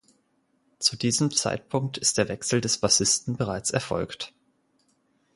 Zu diesem Zeitpunkt ist der Wechsel des Bassisten bereits erfolgt.